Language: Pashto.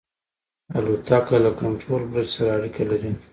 الوتکه له کنټرول برج سره اړیکه لري.